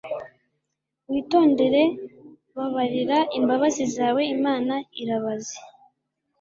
Witondere babarira Imbabazi zawe Imana irabaze